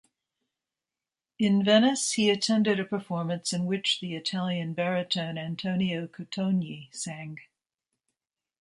In Venice he attended a performance in which the Italian baritone Antonio Cotogni sang.